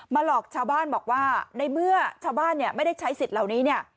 มาหลอกชาวบ้านบอกว่าในเมื่อชาวบ้านไม่ได้ใช้สิทธิ์เหล่านี้